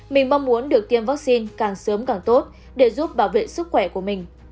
mình mong muốn được tiêm vaccine càng sớm càng tốt để giúp bảo vệ sức khỏe của mình